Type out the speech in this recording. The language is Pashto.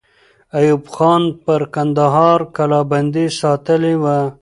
ایوب خان پر کندهار کلابندۍ ساتلې وه.